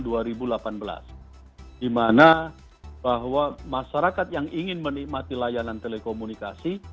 dimana bahwa masyarakat yang ingin menikmati layanan telekomunikasi